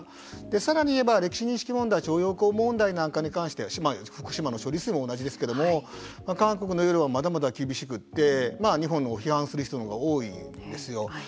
さらに言えば歴史認識問題徴用工問題なんかに関しては福島の処理水も同じですけど韓国の世論はまだまだ厳しくて日本の批判する人のほうが多いんですよ。